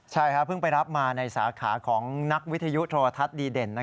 ใช่เพิ่งไปรับมาในสาขาของนักวิทยุโทรทัศน์ดีเด่น